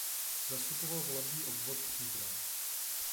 Zastupoval volební obvod Příbram.